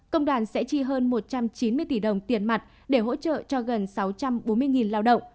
công đoàn sẽ chi hơn một trăm chín mươi tỷ đồng tiền mặt để hỗ trợ cho gần sáu trăm bốn mươi lao động